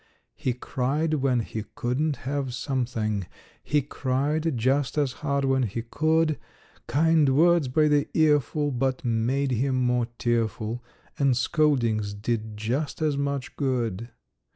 He cried when he couldn't have something; He cried just as hard when he could; Kind words by the earful but made him more tearful, And scoldings did just as much good.